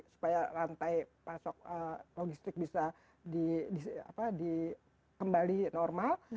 supaya rantai pasok logistik bisa kembali normal